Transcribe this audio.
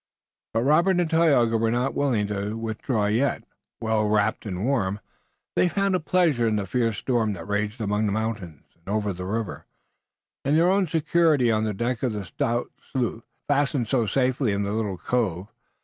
But Robert and Tayoga were not willing to withdraw yet. Well wrapped and warm, they found a pleasure in the fierce storm that raged among the mountains and over the river, and their own security on the deck of the stout sloop, fastened so safely in the little cove.